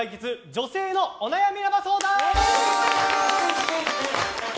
女性のお悩み生相談。